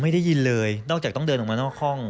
ได้ยินเลยนอกจากต้องเดินออกมานอกห้อง